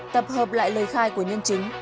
tập hợp lại lời khai của nhân chứng